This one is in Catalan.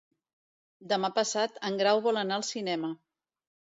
Demà passat en Grau vol anar al cinema.